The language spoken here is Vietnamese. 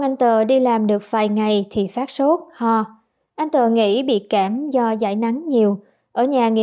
anh tờ đi làm được vài ngày thì phát sốt ho anh tờ nghĩ bị cảm do giải nắng nhiều ở nhà nghị